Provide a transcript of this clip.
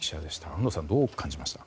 安藤さん、どう感じましたか？